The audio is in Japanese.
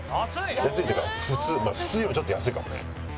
安いっていうか普通普通よりちょっと安いかもね。